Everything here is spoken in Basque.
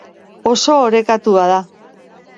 Oso orekatua da.